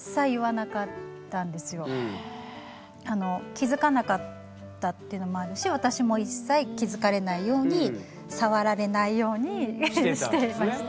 気付かなかったっていうのもあるし私も一切気付かれないように触られないようにしていました。